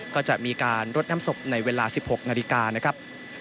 ก็จะมีการรดน้ำศพในเวลา๑๖นาฬิกานะครับ